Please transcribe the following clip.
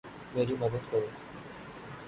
میری مدد کرو